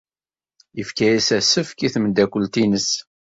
Yefka-as asefk i tmeddakelt-nnes.